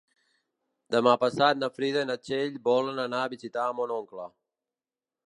Demà passat na Frida i na Txell volen anar a visitar mon oncle.